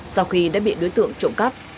sau khi đã bị đối tượng trộm cắp